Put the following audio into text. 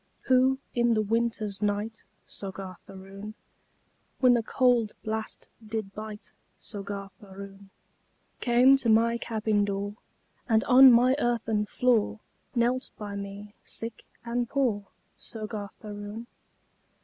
Who, in the winter's night, Soggarth Aroon, When the cowld blast did bite, Soggarth Aroon, Came to my cabin door, And on my earthen floor Knelt by me, sick and poor, Soggarth Aroon?